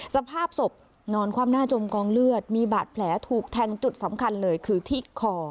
สภาพศพนอนความหน้าจมกองเลือดมีบาดแผลถูกแทงจุดสำคัญเลยคือที่คอ